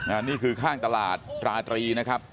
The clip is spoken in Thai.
อันนี้คือข้างตลาดราตรีนะครับ